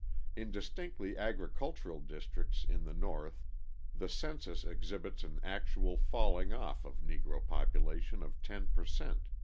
In distinctly agricultural districts in the North the census exhibits an actual falling off of Negro population of 10 per cent.